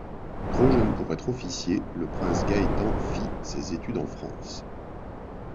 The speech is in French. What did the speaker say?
Trop jeune pour être officier, le prince Gaëtan fit ses études en France.